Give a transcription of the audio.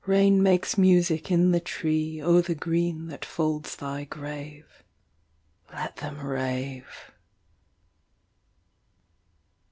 Rain makes music in the tree O’er the green that folds thy grave. Let them rave.